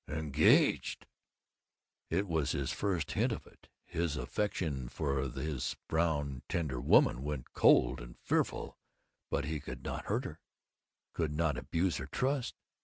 Engaged? It was his first hint of it. His affection for this brown tender woman thing went cold and fearful, but he could not hurt her, could not abuse her trust.